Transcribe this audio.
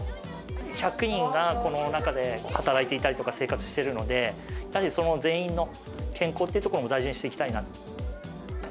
１００人がこの中で、働いていたりとか生活してるので、やはりその全員の健康っていうところも大事にしていきたいなと。